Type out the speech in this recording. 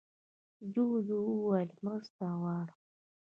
جوجو وویل مرسته غواړم.